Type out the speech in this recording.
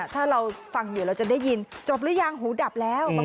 ถ้าเราฟังอยู่เราจะได้ยินจบหรือยังหูดับแล้ว